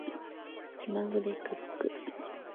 気まぐれクック